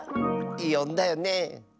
よんだよね？